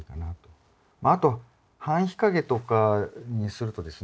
あと半日陰とかにするとですね